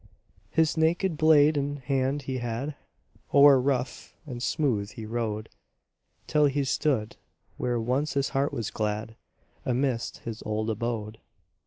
His naked blade in hand he had, O'er rough and smooth he rode, Till he stood where once his heart was glad Amidst his old abode.